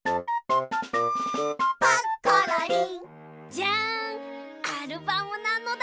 じゃんアルバムなのだ。